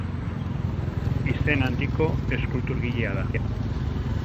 Izen handiko eskulturgilea da.